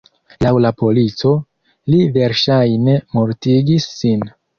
Laŭ la polico, li verŝajne mortigis sin.